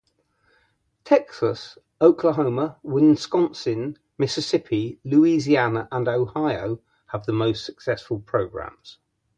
Texas, Oklahoma, Wisconsin, Mississippi, Louisiana and Ohio have the most successful programs.